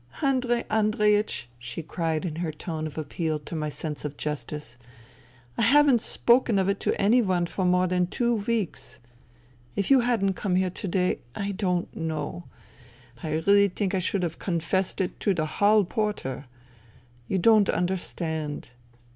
" Andrei Andreiech !" she cried in her tone of appeal to my sense of justice, " I haven't spoken of it to any one for more than two weeks. If you hadn't come here to day, I don't know. ... I really think I should have confessed it to the hall porter. You don't understand."